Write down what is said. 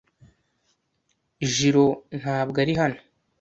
Jiro ntabwo ari hano.